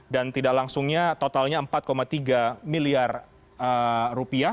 dan tidak langsungnya totalnya rp empat tiga miliar